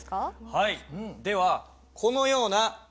はい。